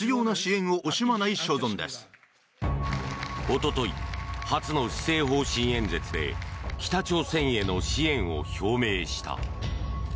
おととい、初の施政方針演説で北朝鮮への支援を表明した。